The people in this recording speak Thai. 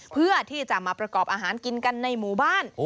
เพื่อที่จะมาประกอบอาหารกินกันในหมู่บ้าน